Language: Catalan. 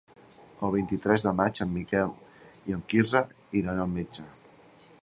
El vint-i-tres de maig en Miquel i en Quirze iran al metge.